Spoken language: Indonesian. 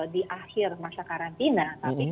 di akhir masa karantina tapi